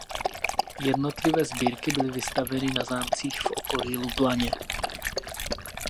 Jednotlivé sbírky byly vystaveny na zámcích v okolí Lublaně.